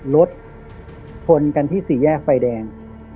รถชนกันที่สี่แยกไฟแดง